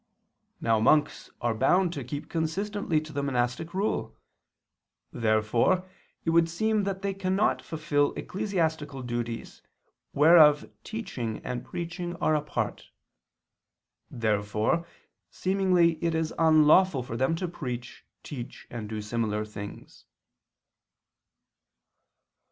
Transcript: Now monks are bound to keep consistently to the monastic rule. Therefore it would seem that they cannot fulfil ecclesiastical duties, whereof teaching and preaching are a part. Therefore seemingly it is unlawful for them to preach, teach, and do similar things.